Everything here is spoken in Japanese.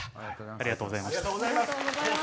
ありがとうございます。